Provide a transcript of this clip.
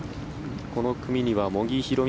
この組には茂木宏美